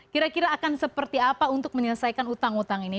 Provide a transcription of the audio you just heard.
kira kira akan seperti apa untuk menyelesaikan utang utang ini